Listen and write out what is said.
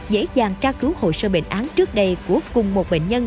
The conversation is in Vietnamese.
dễ dàng tra cứu hồ sơ bệnh án trước đây của cùng một bệnh nhân